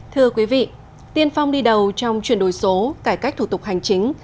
thưa quý vị tiên phong đi đầu trong chuyển đổi số cải cách thủ tục hành chính